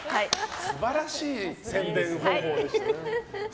素晴らしい宣伝方法でしたね。